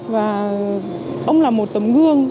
và ông là một tấm gương